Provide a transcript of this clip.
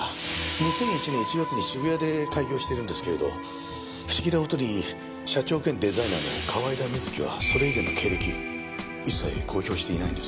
２００１年１月に渋谷で開業しているんですけれど不思議な事に社長兼デザイナーの河井田瑞希はそれ以前の経歴一切公表していないんです。